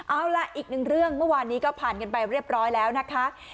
เอาล่ะอีกหนึ่งเรื่องเมื่อวานนี้ก็ผ่านกันไปเรียบร้อยแล้วนะคะ